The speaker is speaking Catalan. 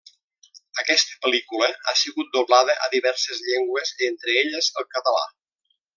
Aquesta pel·lícula ha sigut doblada a diverses llengües, entre elles el català.